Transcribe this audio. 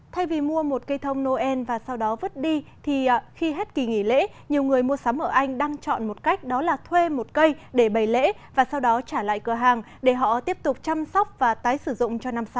thay vì mua một cây thông noel và sau đó vứt đi thì khi hết kỳ nghỉ lễ nhiều người mua sắm ở anh đang chọn một cách đó là thuê một cây để bày lễ và sau đó trả lại cửa hàng để họ tiếp tục chăm sóc và tái sử dụng cho năm sau